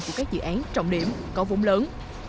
của các dự án trọng điểm có vốn lớn